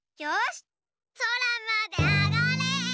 そらまであがれ！